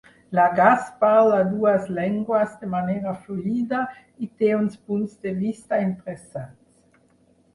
Lagasse parla dues llengües de manera fluida i té uns punts de vista interessants.